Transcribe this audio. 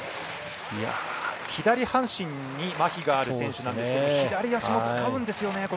左半身にまひがある選手ですが左足も使うんですよね。